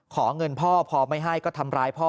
ขอเงินพ่อพอไม่ให้ก็ทำร้ายพ่อ